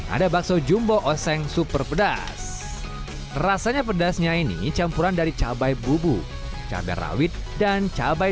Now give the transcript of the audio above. ada bakso jumbo oseng super pedas rasanya pedasnya ini campuran dari cabai bubu cabai rawit dan cabai